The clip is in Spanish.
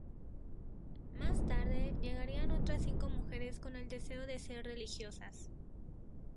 Más tarde, llegarían otras cinco mujeres con el deseo de ser religiosas.